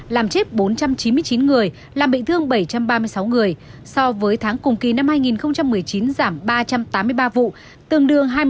làm chết bốn trăm chín mươi chín người làm bị thương bảy trăm ba mươi sáu người so với tháng cùng kỳ năm hai nghìn một mươi chín giảm ba trăm tám mươi ba vụ tương đương hai mươi chín